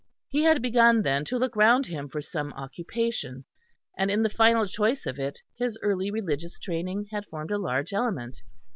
He had begun then to look round him for some occupation, and in the final choice of it his early religious training had formed a large element.